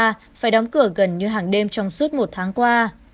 phải đóng cửa gần như hàng đêm trong suốt một tháng qua